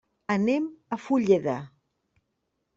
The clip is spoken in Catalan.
Anem a Fulleda.